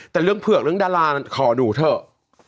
แต่เรื่องเผือกเรื่องดารานั้นขอดูเถอะ